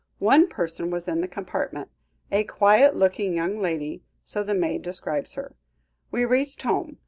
One person was in the compartment, a quiet looking young lady, so the maid describes her. We reached home.